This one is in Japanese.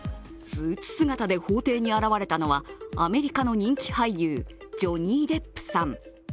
スーツ姿で法廷に現れたのはアメリカの人気俳優、ジョニー・デップさん。